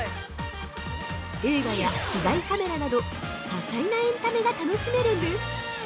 映画や機外カメラなど多彩なエンタメが楽しめるんです。